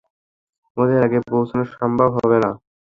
ওদের আগে পৌঁছানো সম্ভব হবে না।